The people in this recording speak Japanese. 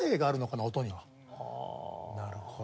なるほど。